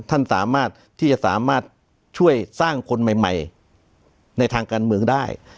ท่านสามารถที่จะสามารถช่วยสร้างคนใหม่ในทางการเมืองได้